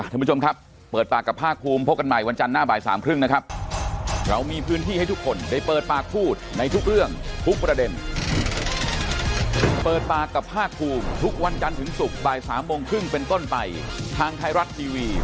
ท่านผู้ชมครับเปิดปากกับภาคภูมิพบกันใหม่วันจันทร์หน้าบ่ายสามครึ่งนะครับ